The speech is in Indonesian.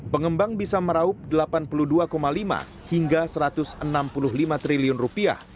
pengembang bisa meraup delapan puluh dua lima hingga satu ratus enam puluh lima triliun rupiah